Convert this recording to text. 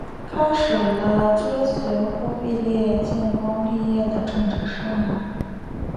开始了追随忽必烈建功立业的政治生涯。